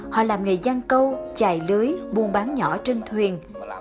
họ làm nghề giang câu chài lưới buôn bán nhỏ trên thuyền